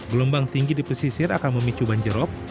gelombang tinggi di pesisir akan memicu banjirrop